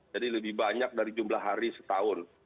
jadi lebih banyak dari jumlah hari setahun